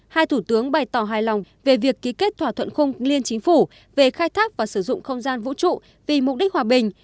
hai thủ tướng bày tỏ hài lòng về việc ký kết thỏa thuận khung liên chính phủ về khai thác và sử dụng không gian vũ trụ vì mục đích hòa bình